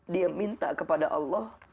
dia minta kepada allah